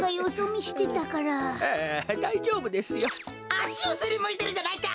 あしをすりむいてるじゃないか！